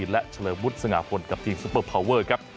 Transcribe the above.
และเฉลยมุทรสงอพลกับทีมซูปเปอร์เพอร์ครับ